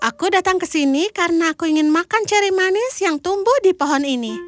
aku datang ke sini karena aku ingin makan ceri manis yang tumbuh di pohon ini